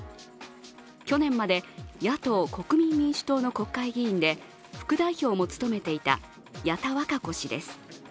去年まで野党・国民民主党の国会議員で副代表も務めていた、矢田稚子氏です。